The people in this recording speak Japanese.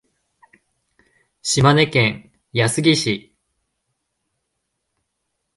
島根県安来市